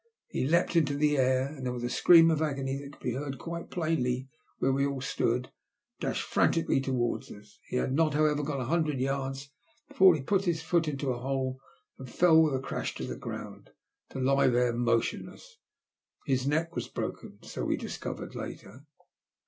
He leapt into the air, and then with a scream of agony that could be heard quite plainly where we all stood watching, dashed frantically towards as. 266 THB LUST OF HATS. He had not, however, gone a hundred yards before he put his foot into a hole, and fell with a crash to the ground, to lie there motionless. His neck was broken, so we discovered later.